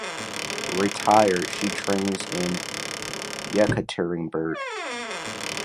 retired, she trains in Yekaterinburg.